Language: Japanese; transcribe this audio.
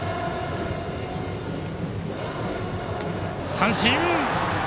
三振！